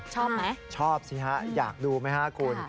ชอบไหมชอบสิฮะอยากดูไหมฮะคุณ